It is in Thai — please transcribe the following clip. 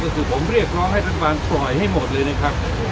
ก็คือผมเรียกร้องให้รัฐบาลปล่อยให้หมดเลยนะครับ